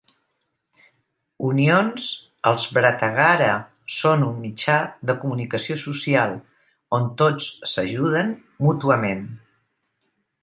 Unions, els Brataghara són un mitjà de comunicació social on tots s'ajuden mútuament.